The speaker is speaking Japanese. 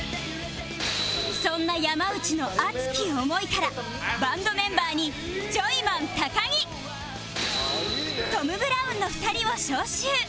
そんな山内の熱き思いからバンドメンバーにジョイマン高木トム・ブラウンの２人を招集